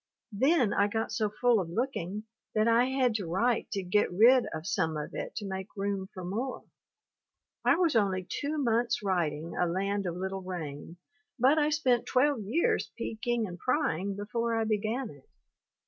Then I got so full of looking that I had to write to get rid of some of it to make room for more. I was only two months writing "A Land of Little Rain" but I spent 12 years peeking and prying before I began it.